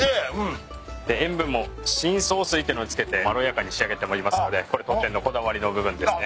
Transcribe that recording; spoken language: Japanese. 塩分も深層水ってのに漬けてまろやかに仕上げておりますのでこれ当店のこだわりの部分ですね。